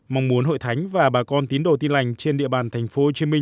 mong muốn hội thánh và bà con tín đồ tin lành trên địa bàn tp hcm